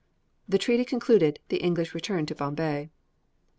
The treaty concluded, the English returned to Bombay.